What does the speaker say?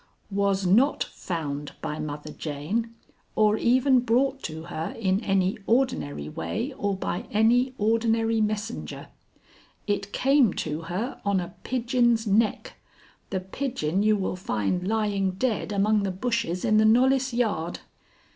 "Was not found by Mother Jane, or even brought to her in any ordinary way or by any ordinary messenger. It came to her on a pigeon's neck, the pigeon you will find lying dead among the bushes in the Knollys yard."